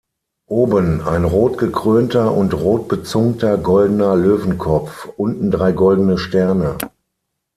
Oben ein rot gekrönter und rotbezungter goldener Löwenkopf, unten drei goldene Sterne.